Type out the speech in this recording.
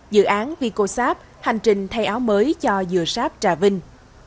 dự án vicosap hành trình thay áo mới cho dừa sáp trà vinh